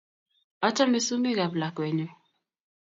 Achame sumek ap lakwennyu